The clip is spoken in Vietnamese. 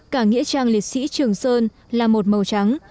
cả nghĩa trang liệt sĩ trường sơn là một màu trắng